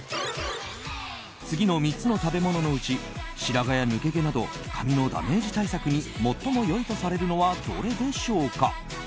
次の３つの食べ物のうち白髪や抜け毛など髪のダメージ対策に最も良いとされるのはどれでしょうか。